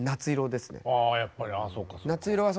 やっぱりそうかそうか。